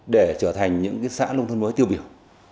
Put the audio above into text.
để trở thành những xã nông thôn mới tiêu biểu